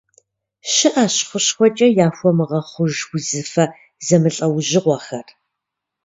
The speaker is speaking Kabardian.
Щыӏэщ хущхъуэкӏэ яхуэмыгъэхъуж узыфэ зэмылӏэужьыгъуэхэр.